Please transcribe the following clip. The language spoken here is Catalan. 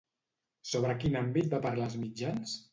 Sobre quin àmbit va parlar als mitjans?